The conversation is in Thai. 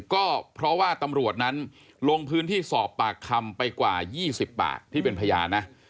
ก็เพราะว่าตำรวจนั้นลงพื้นที่สอบปากคำไปกว่า๒๐ปากที่เป็นพยานนะ